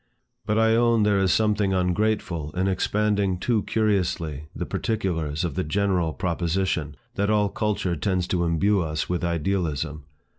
But I own there is something ungrateful in expanding too curiously the particulars of the general proposition, that all culture tends to imbue us with idealism.